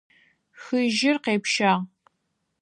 Хыжьыр къепщагъ.